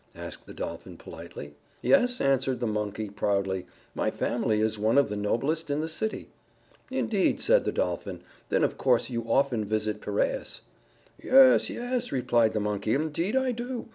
asked the Dolphin politely. "Yes," answered the Monkey, proudly. "My family is one of the noblest in the city." "Indeed," said the Dolphin. "Then of course you often visit Piraeus." "Yes, yes," replied the Monkey. "Indeed, I do.